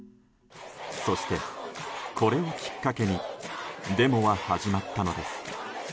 そして、これをきっかけにデモは始まったのです。